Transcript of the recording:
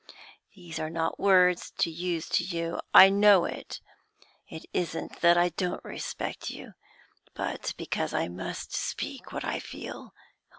These are not words to use to you I know it. It isn't that I don't respect you, but because I must speak what I feel.